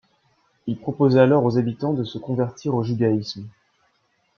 Il proposa alors aux habitants de se convertir au judaïsme.